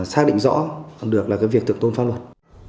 xác định rõ được việc tượng tôn pháp luật